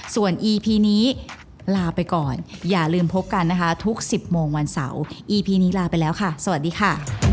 ส่วนอีพีนี้ลาไปก่อนอย่าลืมพบกันนะคะทุก๑๐โมงวันเสาร์อีพีนี้ลาไปแล้วค่ะสวัสดีค่ะ